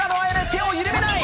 手を緩めない！